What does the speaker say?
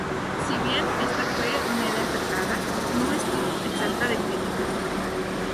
Si bien esta fue una idea aceptada, no estuvo exenta de críticas.